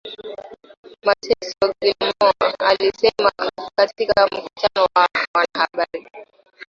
mateso Gilmore alisema katika mkutano na wanahabari